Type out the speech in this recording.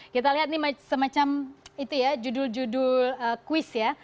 kita lihat ini semacam judul judul kuis ya